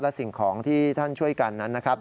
และสิ่งของที่ท่านช่วยกันนั้นนะครับ